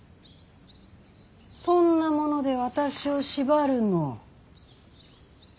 そんなもので私を縛るの？え？